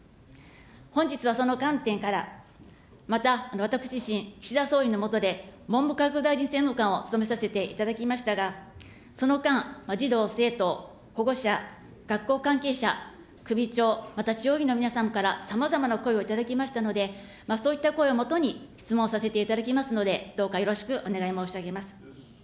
本日はその観点から、また私自身、岸田総理の下で文部科学政務官を務めさせていただきましたが、その間、児童・生徒、保護者、学校関係者、首長、また地方議員の皆さんから、さまざまな声を頂きましたので、そういった声をもとに、質問させていただきますので、どうかよろしくお願い申し上げます。